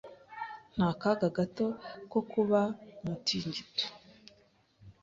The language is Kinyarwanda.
Nta kaga gato ko kuba umutingito.